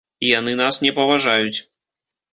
Яны нас не паважаюць.